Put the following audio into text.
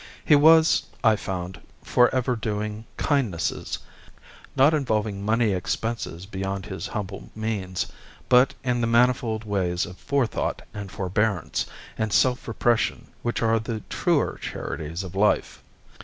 He was, I found, for ever doing kindnesses, not involving money expenses beyond his humble means, but in the manifold ways of forethought and forbearance and self repression which are of the truer charities of life.